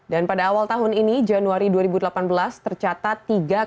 dan pada awal tahun ini januari dua ribu delapan belas tercatat tiga orang